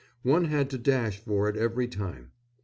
One had to dash for it every time.